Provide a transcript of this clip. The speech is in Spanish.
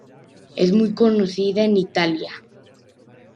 Es muy conocida en Italia.